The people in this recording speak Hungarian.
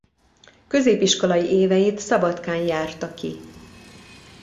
Középiskolai éveit Szabadkán járta ki.